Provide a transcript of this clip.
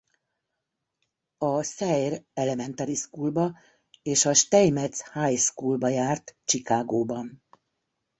A Sayre Elementary Schoolba és a Steinmetz High Schoolba járt Chicagóban.